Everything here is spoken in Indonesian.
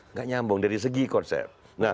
nggak nyambung dari segi konsep